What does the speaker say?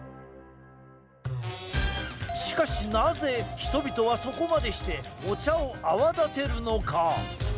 しかし、なぜ人々はそこまでしてお茶を泡立てるのか？